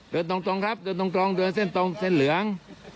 เดินตรงครับเดินตรงเดินเส้นตรงเส้นเหลือง